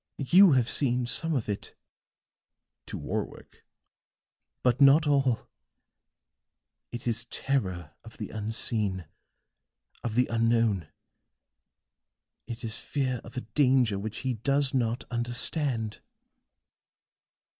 You have seen some of it," to Warwick, "but not all. It is terror of the unseen, of the unknown. It is fear of a danger which he does not understand."